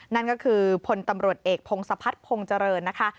นั่นก็คือพลตำรวจเอกพงศพัฒนพงษ์เจริญนะคะ